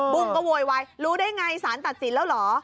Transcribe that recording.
บุ้งก็โวยวายรู้ได้ไงสารตัดสินแล้วเหรอ